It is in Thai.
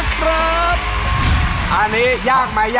อันนี้ยากไหมไม่เหนื่อยมาก